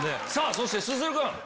そしてＳＵＳＵＲＵ君！